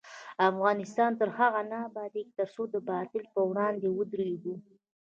افغانستان تر هغو نه ابادیږي، ترڅو د باطل پر وړاندې ودریږو.